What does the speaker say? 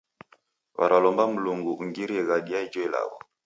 W'aralomba Mlungu ungirie ghadi ya ijo ilagho.